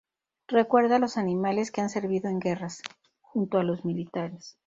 Recuerda a los animales que han servido en guerras, junto a los militares.